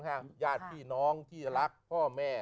ญาติพี่น้องที่รักพ่อแม่